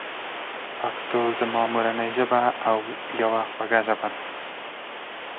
If opener has bid two suits, responder can show preference between them.